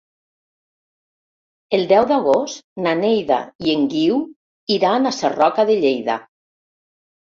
El deu d'agost na Neida i en Guiu iran a Sarroca de Lleida.